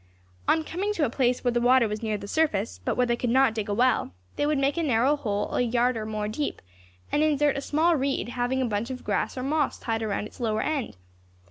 On coming to a place where the water was near the surface, but where they could not dig a well, they would make a narrow hole a yard or more deep, and insert a small reed having a bunch of grass or moss tied around its lower end.